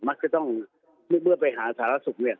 มักจะต้องเมื่อไปหาสารสุขเนี่ย